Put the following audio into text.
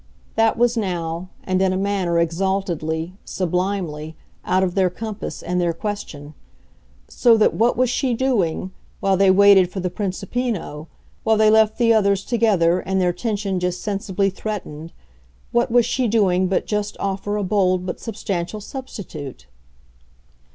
That was now and in a manner exaltedly, sublimely out of their compass and their question; so that what was she doing, while they waited for the Principino, while they left the others together and their tension just sensibly threatened, what was she doing but just offer a bold but substantial substitute?